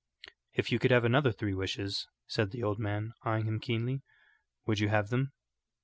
"If you could have another three wishes," said the old man, eyeing him keenly, "would you have them?"